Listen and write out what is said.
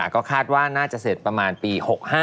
ก็คาดว่าน่าจะเสร็จประมาณปี๖๕